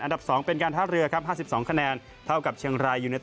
อันดับสองเป็นการท่าเรือ๕๒คะแนน